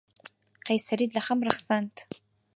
قەیسەریت لە خەم ڕەخساند.